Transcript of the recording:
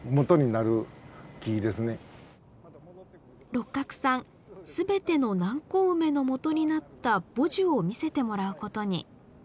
六角さん全ての南高梅のもとになった母樹を見せてもらうことに。